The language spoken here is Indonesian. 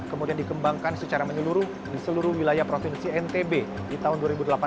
kemudian dikembangkan secara menyeluruh di seluruh wilayah provinsi ntb di tahun dua ribu delapan belas